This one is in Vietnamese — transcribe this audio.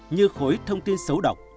như khối thông tin xấu độc